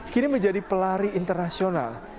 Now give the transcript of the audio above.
kini menjadi pelari internasional